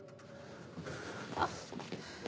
あっ。